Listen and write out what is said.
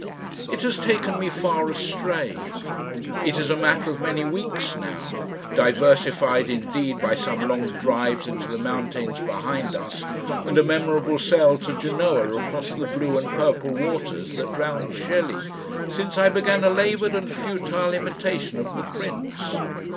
It has taken me far astray. It is a matter of many weeks now diversified indeed by some long drives into the mountains behind us and a memorable sail to Genoa across the blue and purple waters that drowned Shelley since I began a laboured and futile imitation of "The Prince."